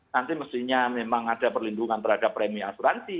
nanti mestinya memang ada perlindungan terhadap premi asuransi